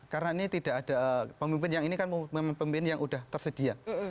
karena ini tidak ada pemimpin yang ini kan memang pemimpin yang sudah tersedia